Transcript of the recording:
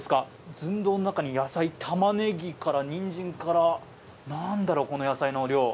寸胴の中に野菜、たまねぎからにんじんから、なんだろう、この野菜の量。